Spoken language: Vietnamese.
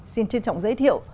xin chân trọng giới thiệu